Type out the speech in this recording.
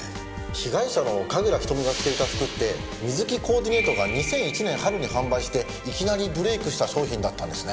被害者の神楽瞳が着ていた服ってＭＩＺＵＫＩコーディネートが２００１年春に販売していきなりブレークした商品だったんですね。